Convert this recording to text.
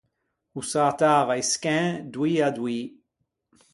O sätava i scæn doî à doî.